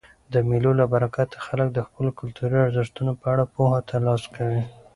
د مېلو له برکته خلک د خپلو کلتوري ارزښتو په اړه پوهه ترلاسه کوي.